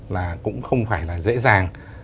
là cũng không phải là dễ dàng